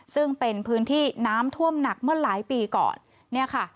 ซึ่งเป็นพื้นที่น้ำท่วมหนักเมื่อหลายปีก่อนเนี่ยค่ะ